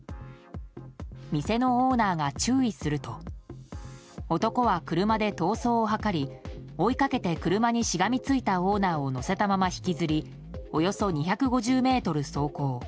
店のオーナーが注意すると男は車で逃走を図り追いかけて車にしがみついたオーナーを乗せたまま引きずりおよそ２５０ｍ走行。